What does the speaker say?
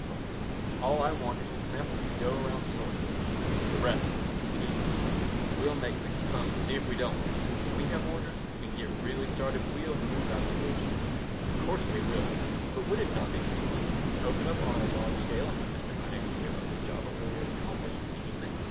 Well, all I want is some samples to go around the stores with. The rest will come easy. We'll make things hum. See if we don't. When we have orders and get really started we'll move out of Division Street. Of course we will. But would it not be foolish to open up on a large scale and have Mr. Chaikin give up his job before we have accomplished anything?